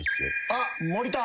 あっ森田。